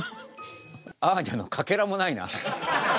アーニャのかけらもないな。